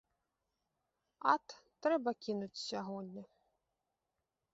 Ат, трэба кінуць сягоння.